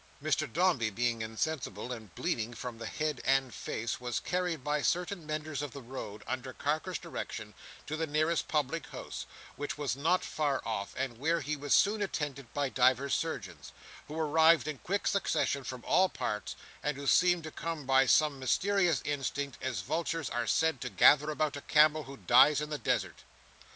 Mr Dombey being insensible, and bleeding from the head and face, was carried by certain menders of the road, under Carker's direction, to the nearest public house, which was not far off, and where he was soon attended by divers surgeons, who arrived in quick succession from all parts, and who seemed to come by some mysterious instinct, as vultures are said to gather about a camel who dies in the desert.